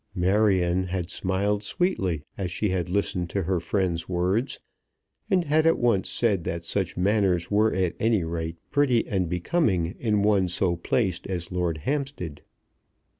Marion had smiled sweetly as she had listened to her friend's words, and had at once said that such manners were at any rate pretty and becoming in one so placed as Lord Hampstead.